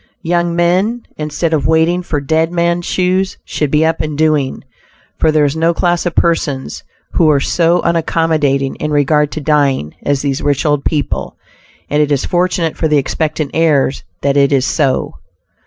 Young men, instead of "waiting for dead men's shoes," should be up and doing, for there is no class of persons who are so unaccommodating in regard to dying as these rich old people, and it is fortunate for the expectant heirs that it is so.